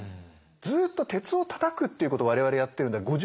ずっと鉄をたたくっていうことを我々やってるんだよ。